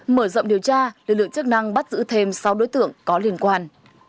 mở rộng điều tra lực lượng chức năng bắt giữ thêm sáu đối tượng có liên quan